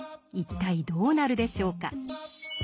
一体どうなるでしょうか？